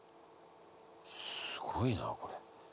すごいなこれ。